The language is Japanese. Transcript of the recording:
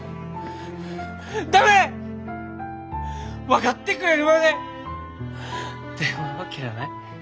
分かってくれるまで電話は切らない。